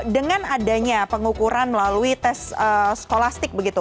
dengan adanya pengukuran melalui tes skolastik begitu